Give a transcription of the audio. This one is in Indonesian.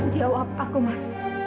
jawab aku mas